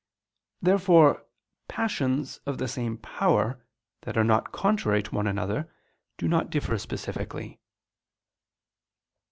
Therefore passions of the same power, that are not contrary to one another, do not differ specifically.